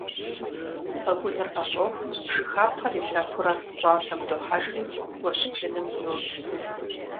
Пэгуныр ӏэщӏоху, жыхапхъэр илъэфурэ пщӏантӏэм дохьэжри гуэщ блыным йощӏ.